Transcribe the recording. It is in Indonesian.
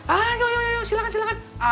ayo yuk yuk yuk silahkan silahkan